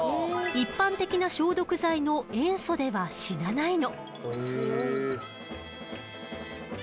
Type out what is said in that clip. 一般的な消毒剤の塩素では死なないの。